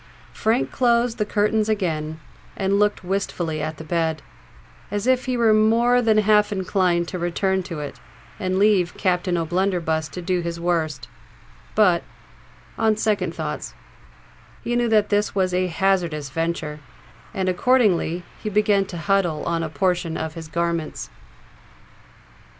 Frank closed the curtains again, and looked wistfully at the bed, as if he were more than half inclined to return to it, and leave Captain O'Blunderbuss to do his worst;—but, on second thoughts, he knew that this was a hazardous venture—and, accordingly, he began to huddle on a portion of his garments.